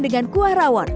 dengan kuah rawon